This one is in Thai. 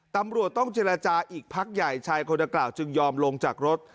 ตำรวจต้องเจรจาอีกพักใหญ่ชายคนดังกล่าวจึงยอมลงจากรถ